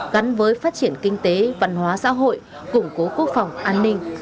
gắn với phát triển kinh tế văn hóa xã hội củng cố quốc phòng an ninh